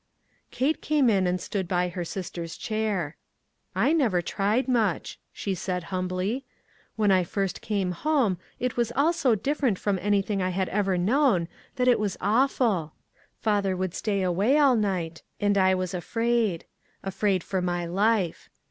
Kate came and stood • by her sister's chair. " I never tried much," she said, humbly ;'* when I first came home it was all so dif ferent from anything I had ever known, that it was awful. Father would stay away all night, and I was afraid ; afraid for my life.